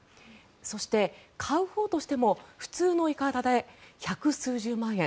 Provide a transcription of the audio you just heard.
そして、買うほうとしても普通のいかだで１００数十万円。